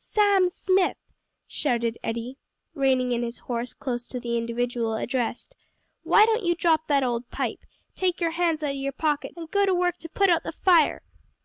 "Sam Smith," shouted Eddie, reining in his horse close to the individual addressed, "why don't you drop that old pipe, take your hands out of your pockets, and go to work to put out the fire!"